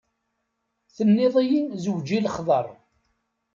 Tenniḍ-iyi zewǧ i lexḍer.